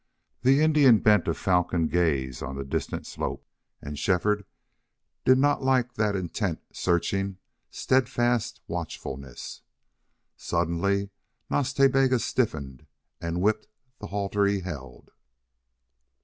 The Indian bent a falcon gaze on the distant slope, and Shefford did not like that intent, searching, steadfast watchfulness. Suddenly Nas Ta Bega stiffened and whipped the halter he held.